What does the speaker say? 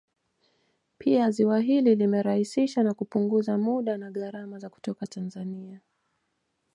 Pia ziwa hili limerahisishsa na kupunguza muda na gharama za kutoka Tanzania